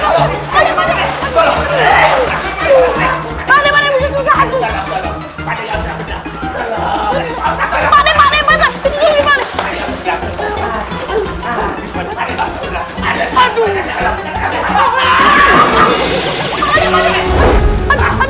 aduh malik malik aduh aduh bau bau